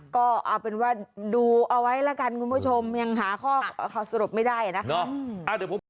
ก็เอาเป็นว่าดูเอาไว้แล้วกันคุณผู้ชมยังหาข้อสรุปไม่ได้นะคะ